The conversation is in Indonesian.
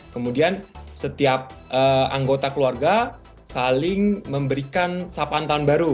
kemudian setiap anggota keluarga saling memberikan sapaan tahun baru